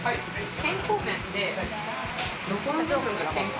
健康麺って、どこの部分が健康？